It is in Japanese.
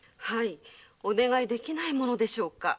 お願いできないものでしょうか？